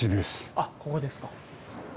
あっ、ここですか。